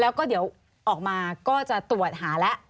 แล้วก็เดี๋ยวออกมาก็จะตรวจหาแล้ว